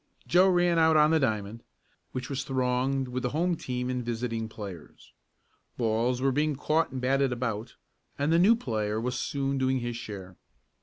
Joe ran out on the diamond, which was thronged with the home team and visiting players. Balls were being caught and batted about, and the new player was soon doing his share.